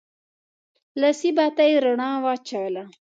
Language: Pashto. لاسي بتۍ رڼا واچوله.